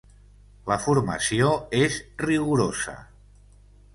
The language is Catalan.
La formació és rigorosa.